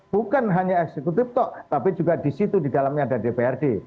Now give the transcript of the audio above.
bukan hanya eksekutif toh tapi juga di situ di dalamnya ada dprd